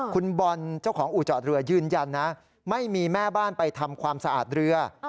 คุณบอลเจ้าของอู่จอดเรือยืนยันนะไม่มีแม่บ้านไปทำความสะอาดเรือ